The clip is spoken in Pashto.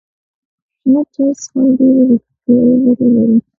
شنه چای څښل ډیرې روغتیايي ګټې لري.